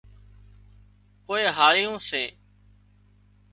ڪوئي هاۯيون سي